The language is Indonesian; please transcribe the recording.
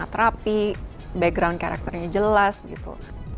karena dia sangat rapi background karakternya jelas gitu